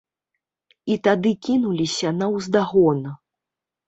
І тады кінуліся наўздагон.